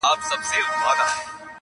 څوک چي ستا په قلمرو کي کړي ښکارونه-